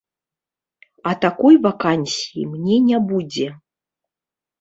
А такой вакансіі мне не будзе.